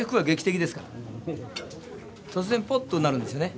突然ぽっとなるんですよね。